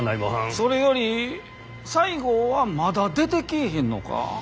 それより西郷はまだ出てきぃひんのか？